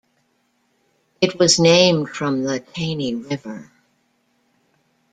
It was named from the Caney River.